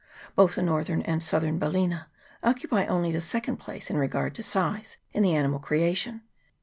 Both the northern and southern Balsena occupy only the second place in regard to size in the animal creation.